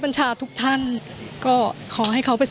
ลูกชายวัย๑๘ขวบบวชหน้าไฟให้กับพุ่งชนจนเสียชีวิตแล้วนะครับ